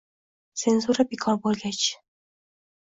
Senzura bekor bo‘lgach